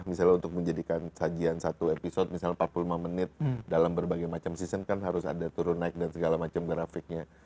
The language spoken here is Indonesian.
misalnya untuk menjadikan sajian satu episode misalnya empat puluh lima menit dalam berbagai macam season kan harus ada turun naik dan segala macam grafiknya